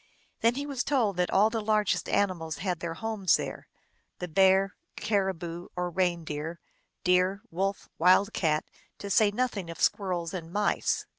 Then he was told that all the largest animals had their homes there : the bear, caribou or reindeer, deer, wolf, wild cat, to say nothing of squirrels and mice.